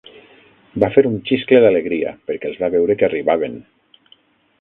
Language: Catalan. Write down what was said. Va fer un xiscle d'alegria perquè els va veure que arribaven.